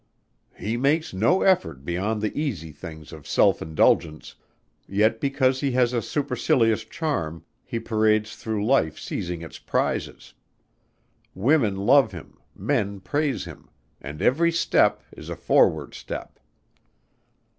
"He makes no effort beyond the easy things of self indulgence, yet because he has a supercilious charm, he parades through life seizing its prizes! Women love him men praise him and every step is a forward step!"